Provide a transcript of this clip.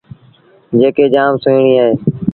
جيڪيٚ جآم سُوهيٚڻي اهي۔